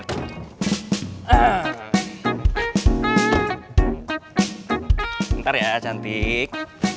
sebentar ya cantik